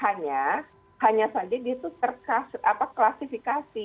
hanya hanya saja dia tuh terkasih apa klasifikasi